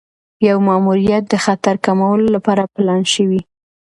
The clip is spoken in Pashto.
یو ماموریت د خطر کمولو لپاره پلان شوی.